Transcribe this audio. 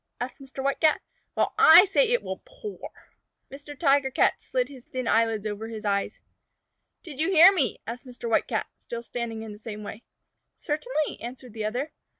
asked Mr. White Cat. "Well, I say it will pour." Mr. Tiger Cat slid his thin eyelids over his eyes. "Did you hear me?" asked Mr. White Cat, still standing in the same way. "Certainly," answered the other.